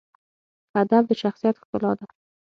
ادب د شخصیت ښکلا ده.